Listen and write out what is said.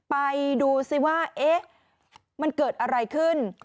ไปดูซิว่ามันเกิดอะไรขึ้น